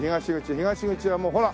東口はもうほら！